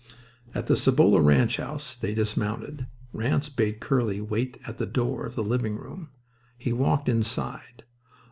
At the Cibolo ranch house they dismounted. Ranse bade Curly wait at the door of the living room. He walked inside.